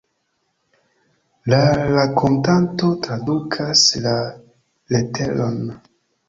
La rakontanto tradukas la leteron.